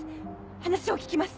話を聞きます。